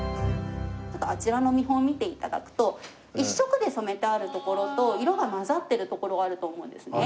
ちょっとあちらの見本を見て頂くと１色で染めてあるところと色が混ざってるところがあると思うんですね。